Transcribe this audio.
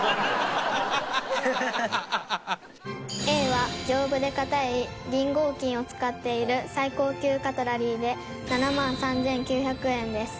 Ａは丈夫で硬い銀合金を使っている最高級カトラリーで７万３９００円です。